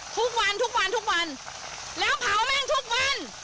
ทุกวันทุกวันทุกวันทุกวันแล้วเผาแม่งทุกวัน